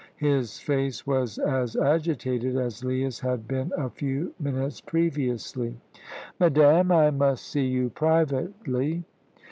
His face was as agitated as Leah's had been a few minutes previously. "Madame, I must see you privately."